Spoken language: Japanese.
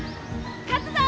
勝つぞ！